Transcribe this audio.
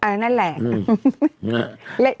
เออนั่นแหละ